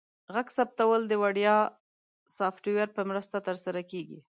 غږ ثبتول د وړیا سافټویر په مرسته ترسره کیږي.